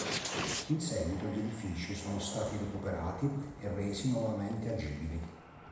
In seguito gli edifici sono stati recuperati e resi nuovamente agibili.